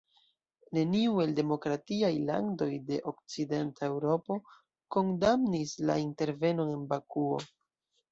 Neniu el demokratiaj landoj de Okcidenta Eŭropo kondamnis la intervenon en Bakuo.